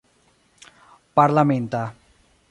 parlamenta